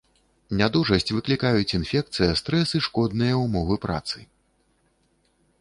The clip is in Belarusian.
Нядужасць выклікаюць інфекцыя, стрэс і шкодныя ўмовы працы.